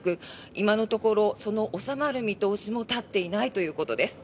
今のところその収まる見通しも立っていないということです。